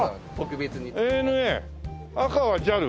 赤はＪＡＬ？